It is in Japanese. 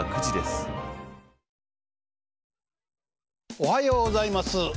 おはようございます。